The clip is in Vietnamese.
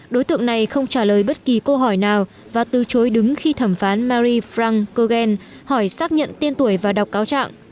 đối tượng này không trả lời bất kỳ câu hỏi nào và từ chối đứng khi thẩm phán marie franc cogan hỏi xác nhận tiên tuổi và đọc cáo trạng